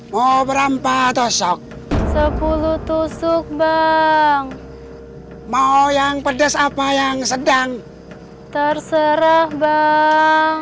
mau berapa tusuk sepuluh tusuk bang mal yang pedas apa yang sedang terserah bang